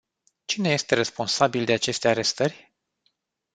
Cine este responsabil de aceste arestări?